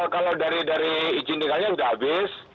kalau dari izin tinggalnya sudah habis